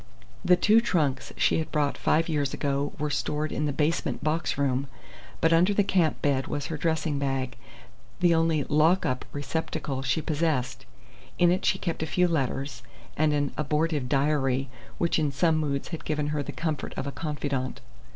The two trunks she had brought five years ago were stored in the basement box room; but under the camp bed was her dressing bag, the only "lock up" receptacle she possessed. In it she kept a few letters and an abortive diary which in some moods had given her the comfort of a confidant.